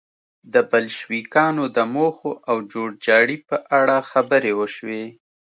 د بلشویکانو د موخو او جوړجاړي په اړه خبرې وشوې